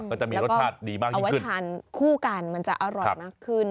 ก็จะมีรสชาติดีมากยิ่งขึ้นแล้วก็เอาไว้ทานคู่กันมันจะอร่อยมากขึ้น